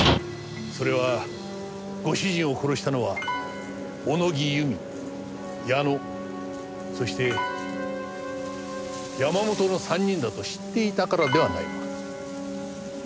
それはご主人を殺したのは小野木由美矢野そして山本の３人だと知っていたからではないのか？